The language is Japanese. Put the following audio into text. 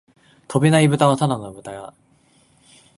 飛べないブタはただの豚だ